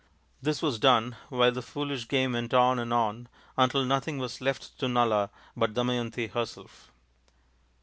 This was done while the foolish game went on and on until nothing was left to Nala but Damayanti herself.